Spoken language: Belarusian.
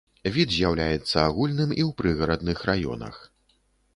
Від з'яўляецца агульным і ў прыгарадных раёнах.